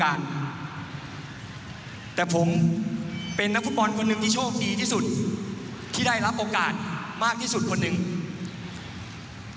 ก็จะทำกากเป็นพอรพฤตของทีมชาติไทยไปลองฟังบางตอนกันครับ